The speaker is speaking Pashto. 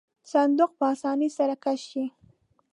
صندوق په آسانۍ سره کش شي.